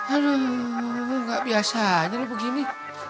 aduh gak biasanya lo begini